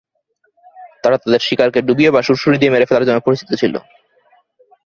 তারা তাদের শিকারকে ডুবিয়ে বা সুড়সুড়ি দিয়ে মেরে ফেলার জন্য পরিচিত ছিল।